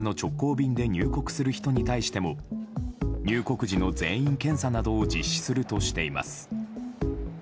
マカオからの直行便で入国する人に対しても入国時の全員検査などを実施するとしています。